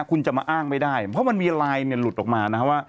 คุณจะมาอ้างไม่ได้เพราะมันมีไลน์เนี่ยหลุดออกมานะฮะว่า